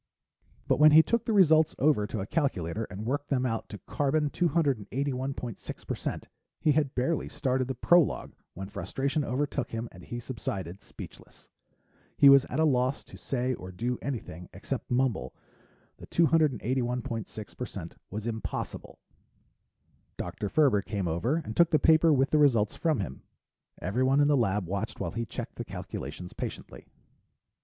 But when he took the results over to a calculator and worked them out to carbon 281.6% he had barely started the prologue when frustration overtook him and he subsided, speechless. He was at a loss to say or do anything except mumble that 281.6% was impossible. Dr. Ferber came over and took the paper with the results from him. Everyone in the lab watched while he checked the calculations patiently.